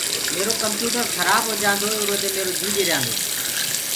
ميرو ڪمپيوٽر کرآب هوجآندو هي اُرو دي ميرو جي ڏريآندوئي۔